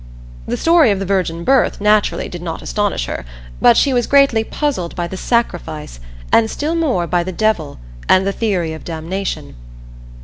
The story of the Virgin birth naturally did not astonish her, but she was greatly puzzled by the Sacrifice, and still more by the Devil, and the theory of Damnation.